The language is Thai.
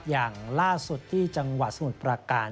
อย่างล่าสุดที่จังหวัดสมุทรประการ